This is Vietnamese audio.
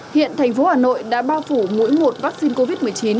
hiện thành phố hà nội đã bao phủ mỗi một vaccine covid một mươi chín